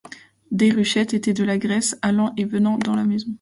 Déruchette était de l’allégresse allant et venant dans la maison.